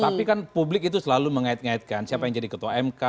tapi kan publik itu selalu mengait ngaitkan siapa yang jadi ketua mk